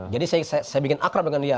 jadi saya bikin akrab dengan dia